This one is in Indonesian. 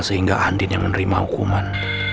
sehingga andin yang menerima hukuman